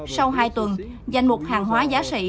sau hai tuần danh mục hàng hóa giá sỉ